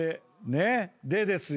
でですよ。